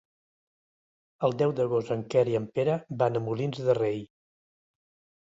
El deu d'agost en Quer i en Pere van a Molins de Rei.